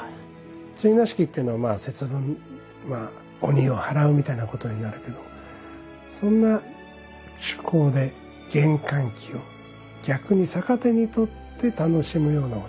追儺式っていうのはまあ節分鬼をはらうみたいなことになるけどそんな趣向で厳寒期を逆に逆手に取って楽しむようなお茶もねしていけるので。